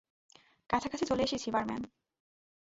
কাছাকাছি চলে এসেছি, বারম্যান!